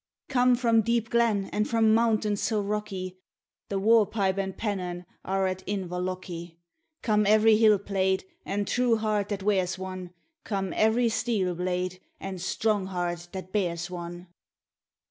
Come from deep glen, and From mountain so rocky, The war pipe and pennon Are at Inverlochy. Come every hill plaid, and True heart that wears one, Come every steel blade, and Strong hand that bears one.